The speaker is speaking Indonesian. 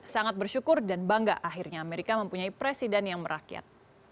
sangat bersyukur dan bangga akhirnya amerika mempunyai presiden yang merakyat